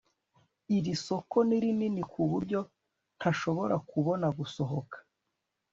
Iri soko ni rinini kuburyo ntashobora kubona gusohoka